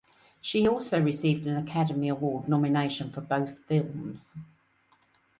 She also received an Academy Award nomination for both films.